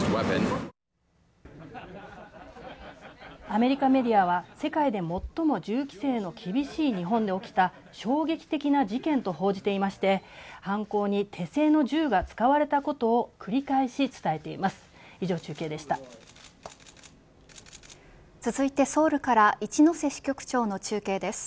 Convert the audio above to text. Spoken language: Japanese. アメリカメディアは世界で最も銃規制の厳しい日本で起きた衝撃的な事件と報じていまして犯行に手製の銃が使われたことを繰り返し伝えています。